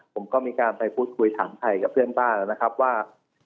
ผมก็มีการไปพูดคุยถามไทยกับเพื่อนบ้านแล้วนะครับว่า